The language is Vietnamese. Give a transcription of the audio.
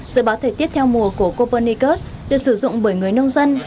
dự báo thời tiết theo mùa của copennicus được sử dụng bởi người nông dân